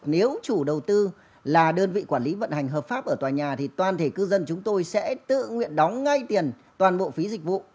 nếu chủ đầu tư là đơn vị quản lý vận hành hợp pháp ở tòa nhà thì toàn thể cư dân chúng tôi sẽ tự nguyện đóng ngay tiền toàn bộ phí dịch vụ